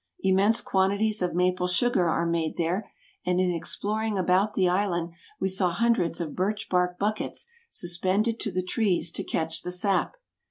Immense quantities of maple sugar are made there, and in exploring about the island, we saw hundreds of birch bark buckets suspended to the trees to catch the sap.